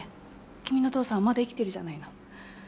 君の父さんはまだ生きてるじゃないの。